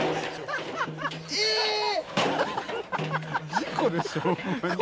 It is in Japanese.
事故でしょホンマに。